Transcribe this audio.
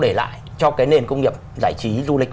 để lại cho cái nền công nghiệp giải trí du lịch